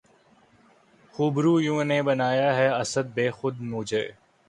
خوبرویوں نے بنایا ہے اسد بد خو مجھے